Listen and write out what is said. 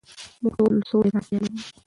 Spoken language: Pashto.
موږ ټول سولې ته اړتیا لرو.